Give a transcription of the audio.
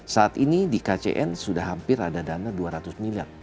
saat ini di kcn sudah hampir ada dana dua ratus miliar